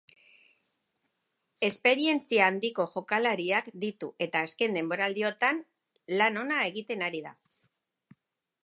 Esperientzia handiko jokalariak ditu eta azken denboraldiotan lan ona egiten ari da.